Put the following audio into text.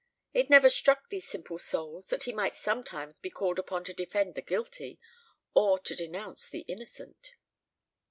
It never struck these simple souls that he might sometimes be called upon to defend the guilty, or to denounce the innocent.